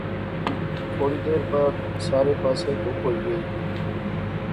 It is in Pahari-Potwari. تھوڑی دیر بعد سارے پاسے تہوپ ہوئی غئی